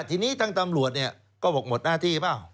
ทีนี้ทางตำรวจเนี่ยก็บอกหมดหน้าที่เปล่า